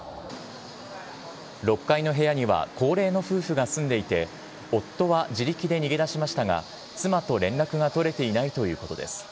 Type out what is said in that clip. ６階の部屋には高齢の夫婦が住んでいて、夫は自力で逃げ出しましたが、妻と連絡が取れていないということです。